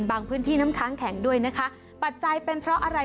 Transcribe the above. พื้นที่น้ำค้างแข็งด้วยนะคะปัจจัยเป็นเพราะอะไร